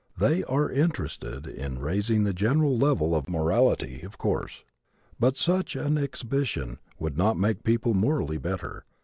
They are interested in raising the general level of morality, of course, but such an exhibition would not make people morally better.